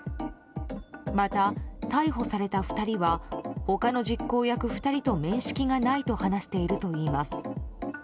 また、逮捕された２人は他の実行役２人と面識がないと話しているといいます。